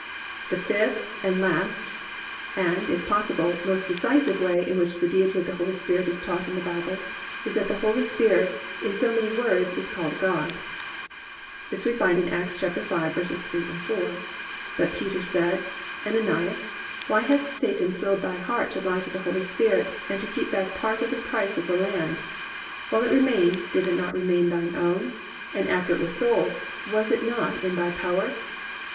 5. The fifth and last, and, if possible, more decisive way in which the Deity of the Holy Spirit is taught in the Bible is that the Holy Spirit in so many words is called God. This we find in Acts 5:3, 4: +"But Peter said, Ananias, why hath Satan filled thy heart to lie to the Holy Spirit, and to keep back part of the price of the land? While it remained, did it not remain thine own? And after it was sold, was it not in thy power?